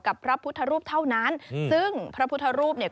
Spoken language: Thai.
พระพุทธรูปเท่านั้นซึ่งพระพุทธรูปเนี่ย